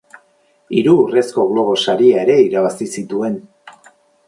Hiru Urrezko Globo Saria ere irabazi zituen.